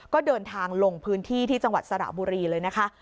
ก็เดินทางลงพื้นที่ที่จังหวัดสระบุรีเลยนะคะ